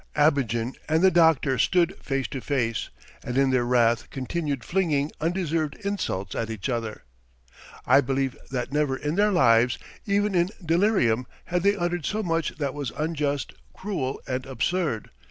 Abogin and the doctor stood face to face, and in their wrath continued flinging undeserved insults at each other. I believe that never in their lives, even in delirium, had they uttered so much that was unjust, cruel, and absurd.